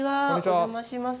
お邪魔します。